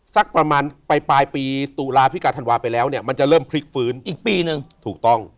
สักประมาณไปปลายปีตุลาพิกาธันวาไปแล้วเนี่ยมันจะเริ่มพลิกฟื้นอีกปีนึงถูกต้อง